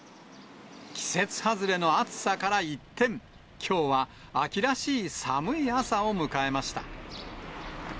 季節外れの暑さから一転、きょうは秋らしい寒い朝を迎えました。